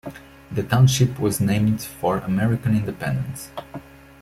The township was named for American independence.